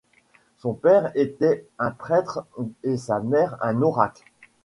Son père était un prêtre et sa mère un oracle.